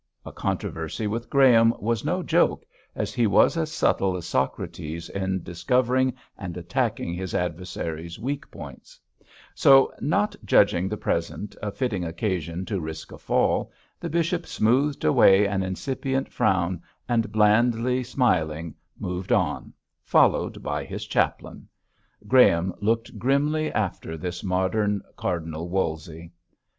A controversy with Graham was no joke, as he was as subtle as Socrates in discovering and attacking his adversary's weak points; so, not judging the present a fitting occasion to risk a fall, the bishop smoothed away an incipient frown, and blandly smiling, moved on, followed by his chaplain. Graham looked grimly after this modern Cardinal Wolsey.